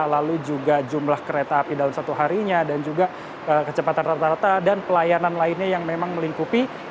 lalu juga jumlah kereta api dalam satu harinya dan juga kecepatan rata rata dan pelayanan lainnya yang memang melingkupi